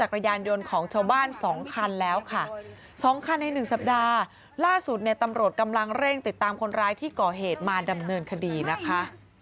อ๋อค่ะช่วงนั้นน้ำท่วมหรือคะ